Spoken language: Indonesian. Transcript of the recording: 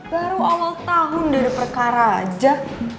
baru awal tahun udah ada perkara aja